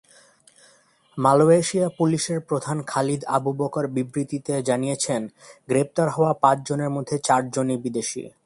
Malaysia পুলিশের প্রধান Khalid Abu Bakar বিবৃতিতে জানিয়েছেন, গ্রেপ্তার হওয়া পাঁচজনের মধ্যে চারজনই বিদেশি।